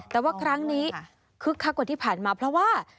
แต่ว่าครั้งนี้คึกคักกว่าที่ผ่านมาเพราะว่า